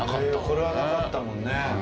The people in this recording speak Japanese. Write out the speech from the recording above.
これはなかったもんね。